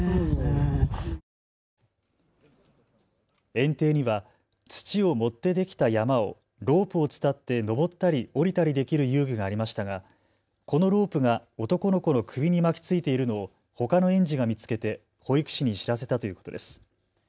園庭には土を盛ってできた山をロープを伝って上ったり下りたりできる遊具がありましたがこのロープが男の子の首に巻きついているのをほかの園児が見つけて保育士に知らせたということです。